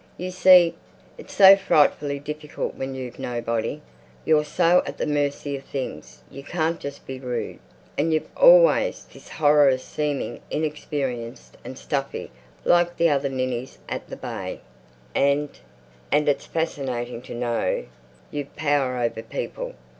You see, it's so frightfully difficult when you've nobody. You're so at the mercy of things. You can't just be rude. And you've always this horror of seeming inexperienced and stuffy like the other ninnies at the Bay. And—and it's fascinating to know you've power over people.